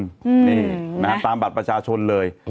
นี่นะฮะตามบัตรประชาชนเลย